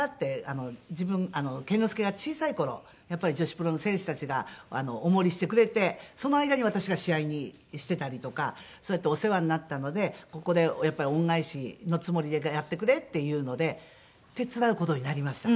自分健之介が小さい頃やっぱり女子プロの選手たちがお守りしてくれてその間に私が試合してたりとかそうやってお世話になったのでここで恩返しのつもりでやってくれっていうので手伝う事になりました。